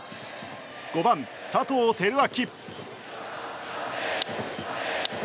５番、佐藤輝明。